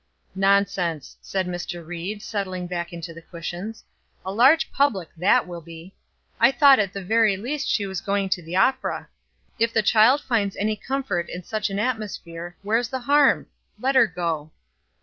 "Nonsense!" said Mr. Ried, settling back into the cushions. "A large public that will be. I thought at the very least she was going to the opera. If the child finds any comfort in such an atmosphere, where's the harm? Let her go."